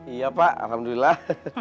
iya pak alhamdulillah